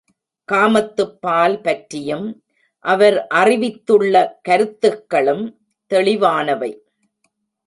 காமத்துப்பால் பற்றியும் அவர் அறிவித்துள்ள கருத்துக்களும் தெளிவானவை.